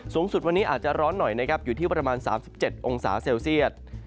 สูงสุดวันนี้อาจจะร้อนหน่อยนะครับอยู่ที่ประมาณ๓๗องศาเซลเซียต